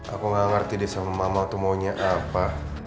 aku gak ngerti deh sama mama tuh maunya apa